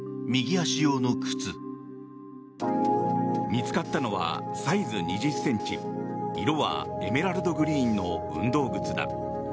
見つかったのはサイズ２０ｃｍ色はエメラルドグリーンの運動靴だ。